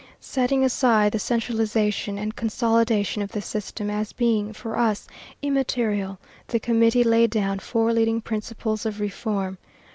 Setting aside the centralization and consolidation of the system as being, for us, immaterial, the committee laid down four leading principles of reform.